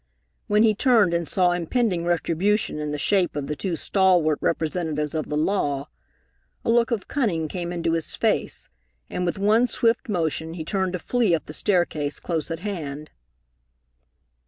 When he turned and saw impending retribution in the shape of the two stalwart representatives of the law, a look of cunning came into his face, and with one swift motion he turned to flee up the staircase close at hand.